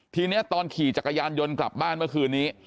ทีนี้ตอนขี่จักรยานยนต์กลับบ้านเมื่อคืนนี้